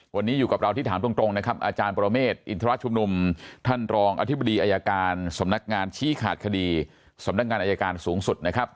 วันนี้อยู่กับเราที่ถามตรงนะครับอาจารย์ปรเมฆอินทรชุมนุมท่านรองอธิบดีอายการสำนักงานชี้ขาดคดีสำนักงานอายการสูงสุดนะครับ